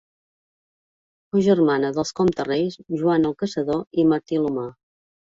Fou germana dels comtes-reis Joan el Caçador i Martí l'Humà.